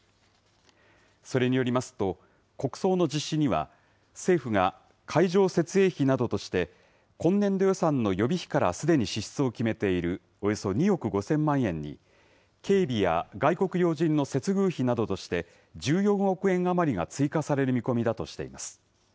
それによりますと、国葬の実施には、政府が会場設営費などとして、今年度予算の予備費からすでに支出を決めているおよそ２億５０００万円に、警備や外国要人の接遇費などとして、１４億円余りが追加される見込みだとしています。